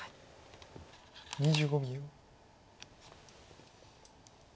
２５秒。